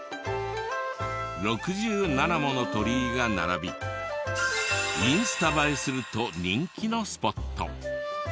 ６７もの鳥居が並びインスタ映えすると人気のスポット。